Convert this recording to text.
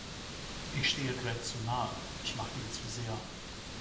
Ich stehe Dredd zu nahe, ich mag ihn zu sehr.